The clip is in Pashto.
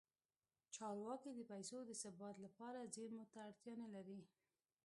چارواکي د پیسو د ثبات لپاره زیرمو ته اړتیا نه لري.